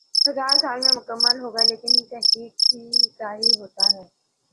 ہزا ر سال میں مکمل ہوگا لیکن تحقیق سی ظاہر ہوتا ہی